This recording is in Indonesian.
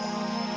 nah ini dia